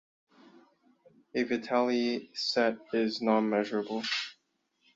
A Vitali set is non-measurable.